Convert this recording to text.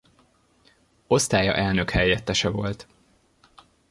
Osztálya elnökhelyettese volt.